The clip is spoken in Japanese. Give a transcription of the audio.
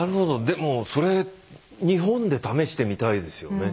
でもそれ日本で試してみたいですよね。